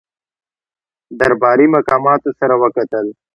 درباري مقاماتو سره وکتل.